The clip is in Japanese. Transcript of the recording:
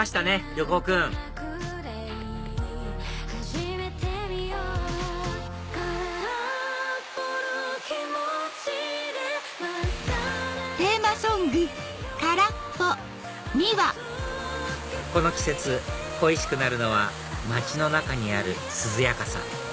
横尾君この季節恋しくなるのは街の中にある涼やかさ